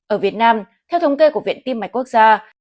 ở việt nam theo thống kê của viện tim mạch quốc gia